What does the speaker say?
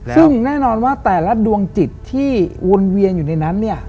ซึ่งแน่นอนว่าแต่ละดวงจิตที่วนเวียนอยู่ในนั้นเนี่ย